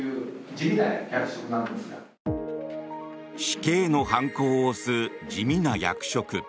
死刑の判子を押す地味な役職。